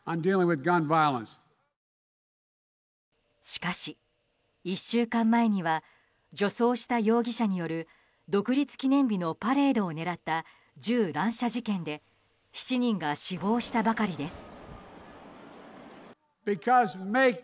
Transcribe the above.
しかし、１週間前には女装した容疑者による独立記念日のパレードを狙った銃乱射事件で７人が死亡したばかりです。